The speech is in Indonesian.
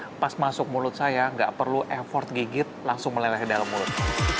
lembut pas masuk mulut saya enggak perlu effort gigit langsung meleleh dalam mulut